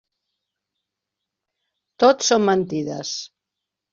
Tot són mentides.